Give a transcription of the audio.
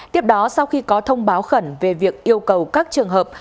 tiếp đó sau khi có thông báo khẩn về việc yêu cầu các trường hợp